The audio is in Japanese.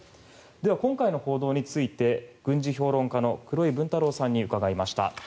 今回の報道について軍事評論家の黒井文太郎さんに伺いました。